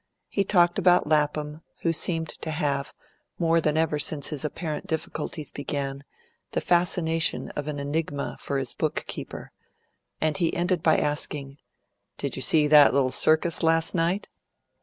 He talked about Lapham, who seemed to have, more than ever since his apparent difficulties began, the fascination of an enigma for his book keeper, and he ended by asking, "Did you see that little circus last night?"